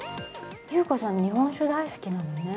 侑子さん、日本酒が大好きなのね。